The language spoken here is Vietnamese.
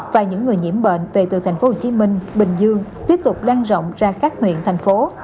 và những người nhiễm bệnh về từ tp hcm bình dương tiếp tục lan rộng ra các huyện thành phố